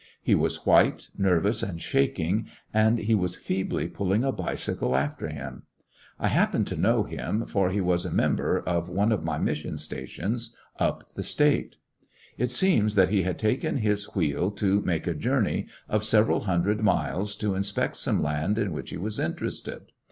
He was white, nervous, and shak ing, and he was feebly pulling a bicycle after him. I happened to know him, for he was a 97 fJecoUedions cf a member of one of my mission stations up the State. It seems that he had taken his wheel to make a journey of several hundred miles to inspect some land in which he was interested.